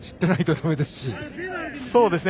そうですね。